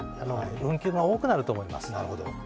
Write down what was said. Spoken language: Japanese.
運休が多くなると思います。